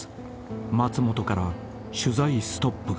［松本から取材ストップが］